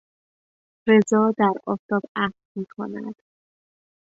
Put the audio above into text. رضا در آفتاب اخم میکند.